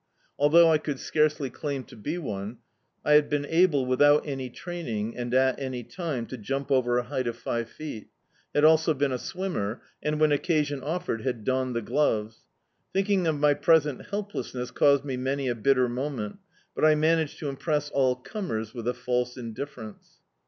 Although I could scarcely claim to be one, I bad been able, without any training, and at any time, to jump over a hci^t of five feet; had also been a swimmer, and, when occasion offered, had donned the gloves. Thinking of my present helplessness caused me many a bitter moment, but I managed to impress all comers with a false indifference.